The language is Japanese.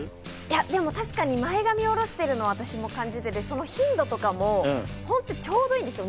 でも確かに前髪を下ろしてるのは、私も感じていて、その頻度もちょうどいいんですよ。